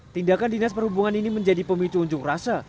tindakan dinas perhubungan ini menjadi pemicu unjuk rasa